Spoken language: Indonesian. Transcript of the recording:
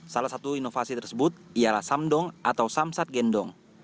salah satu inovasi tersebut ialah samdong atau samsat gendong